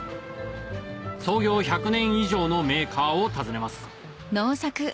創業１００年以上のメーカーを訪ねます